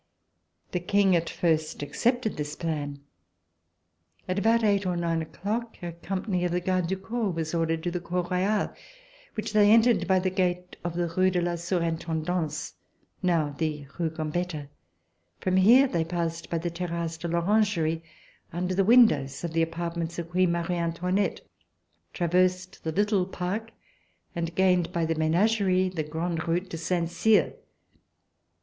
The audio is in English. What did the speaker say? The King at first accepted this plan. At RECOLLECTIONS OF THE REVOLUTION about eight or nine o'clock a company of the Gardes du Corps was ordered to the Cour Royale, which they entered by the gate of the Rue de la Sur In tendance, now the Rue Gambetta. From here they passed by the Terrasse de I'Orangerie, under the windows of the apartments of Queen Marie An toinette, traversed the Little Park and gained, by the Menagerie, the Grande Route to Saint Cyr.